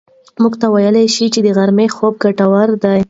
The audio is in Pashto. موږ ته ویل شوي چې د غرمې خوب ګټور دی.